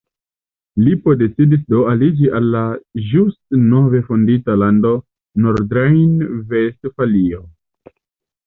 Lipo decidis do aliĝi al la ĵus nove fondita lando Nordrejn-Vestfalio.